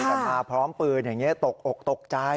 แต่มาพร้อมปืนอย่างนี้ตกอกตกใจ